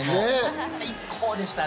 最高でしたね！